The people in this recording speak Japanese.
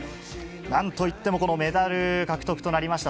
なんといってもこのメダル獲得となりました